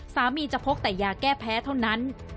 จะพกแต่ยาแก้แพ้เท่านั้น